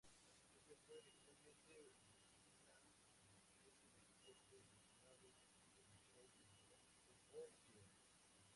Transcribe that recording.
Este fue originalmente una serie de cortos relacionados con el show antológico, Oh Yeah!